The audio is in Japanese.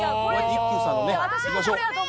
一休さんのねいきましょう。